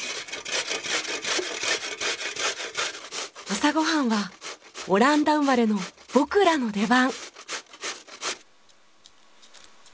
朝ご飯はオランダ生まれの僕らの出番！